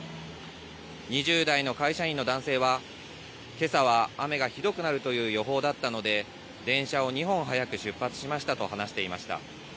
２０代の会社員の男性は、けさは雨がひどくなるという予報だったので、電車を２本早く出発しましたと話していました。